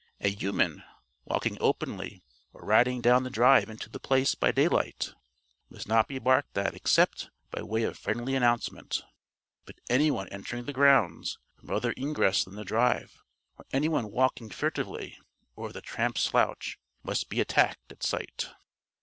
A human, walking openly or riding down the drive into The Place by daylight, must not be barked at except by way of friendly announcement. But anyone entering the grounds from other ingress than the drive, or anyone walking furtively or with a tramp slouch, must be attacked at sight.